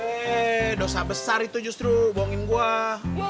eh dosa besar itu justru bohongin gue